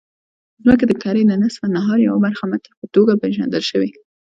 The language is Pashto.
د ځمکې د کرې د نصف النهار یوه برخه متر په توګه پېژندل شوې.